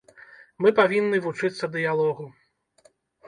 Мы павінны вучыцца дыялогу.